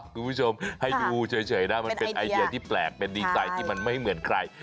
คุณผู้ชมให้ดูเฉยนะมันเป็นไอเดียที่แปลกเป็นดีไซน์ที่มันไม่เหมือนใคร